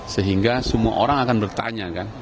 sehingga semua orang akan bertanya kan